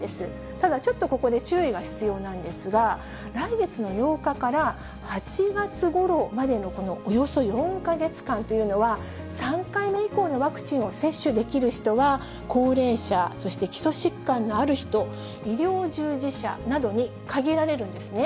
ただちょっとここで注意が必要なんですが、来月の８日から８月ごろまでのこのおよそ４か月間というのは、３回目以降のワクチンを接種できる人は、高齢者、そして基礎疾患のある人、医療従事者などに限られるんですね。